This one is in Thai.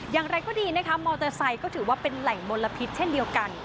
อย่างไรก็ดีนะคะมอเตอร์ไซค์ก็ถือว่าเป็นแหล่งมลพิษเช่นเดียวกัน